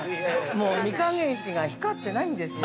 もう御影石が光ってないんですよ。